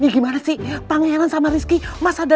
jadi panggilan sama exercise